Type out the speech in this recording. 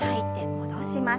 戻します。